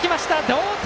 同点！